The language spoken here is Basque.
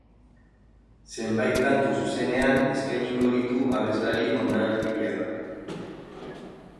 Zenbait kantu zuzenean eskainiko ditu abeslari hondarribiarrak.